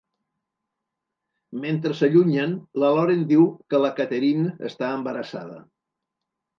Mentre s'allunyen, la Loren diu que la Katherine està embarassada.